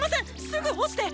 すぐ干して。